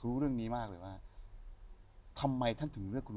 รู้เรื่องนี้มากเลยว่าทำไมท่านถึงเลือกคุณ